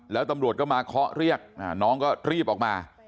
แล้วตำรวจก็มาเคาะเรียกน้องก็รีบออกมา